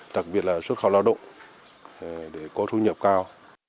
đặc biệt là xuất khẩu lao động để có thu nhập cao